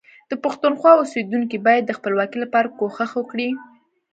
د پښتونخوا اوسیدونکي باید د خپلواکۍ لپاره کوښښ وکړي